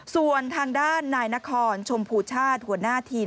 ส่วนทางด้านนายนครชมพูชาติ